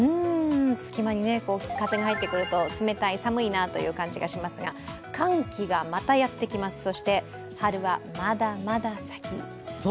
隙間に風が入ってくると、寒いなという感じがしますが、寒気がまたやってきます、そして春はまだまだ先。